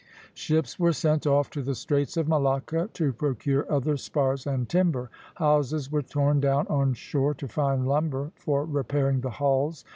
Ships were sent off to the Straits of Malacca to procure other spars and timber. Houses were torn down on shore to find lumber for repairing the hulls.